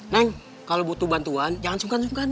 neng kalo butuh bantuan jangan sungkan sungkan